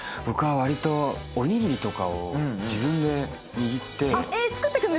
僕はわりとおにぎりとかを自分で握って。